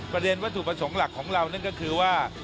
วัตถุประสงค์หลักของเรานั่นก็คือว่า